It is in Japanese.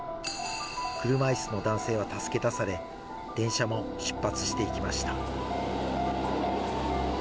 車いすの男性は助け出され、電車も出発していきました。